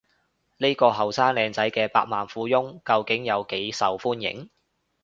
呢個後生靚仔嘅百萬富翁究竟有幾受歡迎？